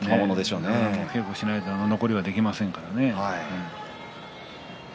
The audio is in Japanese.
稽古をしていないとあの残りはできませんからね。